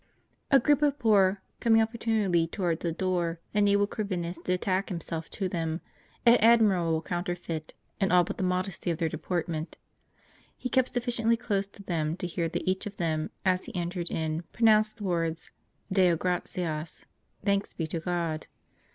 not GEOUP of poor coming opportunely towards the door, enabled Corvinus to tack himself to them, — an admirable counterfeit, in all but the modesty of their deportment. He kept sufficiently close to them to hear that each of them, as he entered in, pronounced the words, "Deo gratias''' "Thanks be to God."